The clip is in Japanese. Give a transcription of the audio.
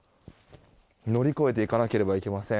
乗り越えていかなければいけません。